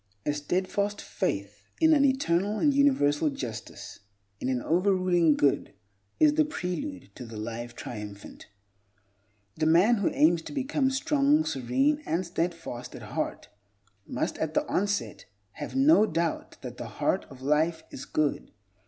A steadfast faith in an Eternal and Universal Justice, in an over ruling Good, is the prelude to the Life Triumphant. The man who aims to become strong, serene, and steadfast at heart must, at the onset, have no doubt that the Heart of Life is good.